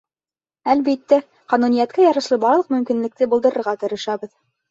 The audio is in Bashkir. — Әлбиттә, ҡануниәткә ярашлы барлыҡ мөмкинлекте булдырырға тырышабыҙ.